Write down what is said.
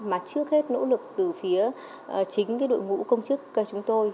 mà trước hết nỗ lực từ phía chính đội ngũ công chức chúng tôi